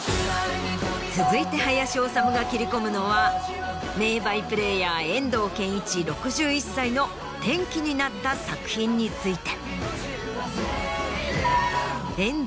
続いて林修が切り込むのは名バイプレーヤー遠藤憲一６１歳の転機になった作品について。